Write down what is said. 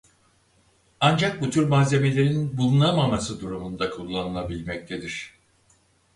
Ancak bu tür malzemelerin bulunamaması durumunda kullanılabilmektedir.